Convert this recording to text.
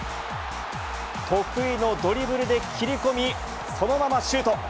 得意のドリブルで切り込み、そのままシュート。